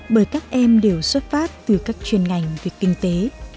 bởi các em đều xuất phát từ các chuyên ngành về kinh tế